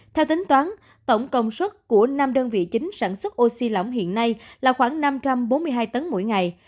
theo tính toán tổng công suất của năm đơn vị chính sản xuất oxy lỏng hiện nay là khoảng năm trăm bốn mươi hai tấn mỗi ngày